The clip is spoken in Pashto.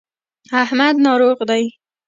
احمد ناروغ دی.